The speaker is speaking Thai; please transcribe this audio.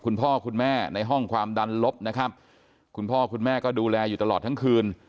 คุณพ่อคุณแม่ในห้องความดันลบนะครับคุณพ่อคุณแม่ก็ดูแลอยู่ตลอดทั้งคืน